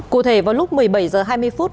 cụ thể vào lúc một mươi bảy h hai mươi phút